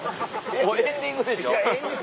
もうエンディングでしょ？